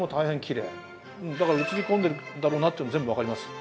映り込んでるんだろうなっていうの全部わかります。